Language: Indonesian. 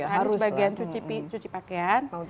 mas anies bagian cuci pakaian